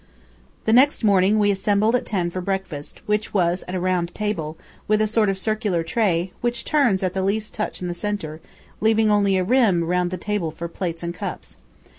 The next morning we assembled at ten for breakfast, which was at a round table, with a sort of circular tray, which turns at the least touch in the centre, leaving only a rim round the table for plates and cups.